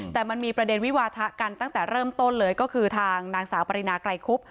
แต่มันมีประเด็นวิวาทะกันตั้งแต่เริ่มต้นเลยก็คือทางนางสาวปรินาไกรคุบ